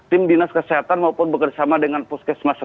tim dinas kesehatan maupun bekerjasama dengan puskesmas